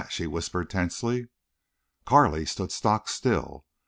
she whispered, tensely. Carley stood stockstill.